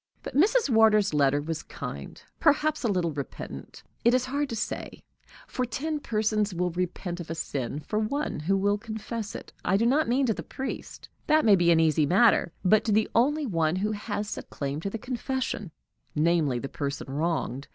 But Mrs. Wardour's letter was kind perhaps a little repentant; it is hard to say, for ten persons will repent of a sin for one who will confess it I do not mean to the priest that may be an easy matter, but to the only one who has a claim to the confession, namely, the person wronged.